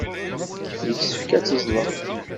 Yessefk ad teẓẓlem.